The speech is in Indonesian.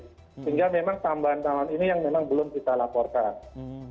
sehingga memang tambahan tambahan ini yang memang belum kita laporkan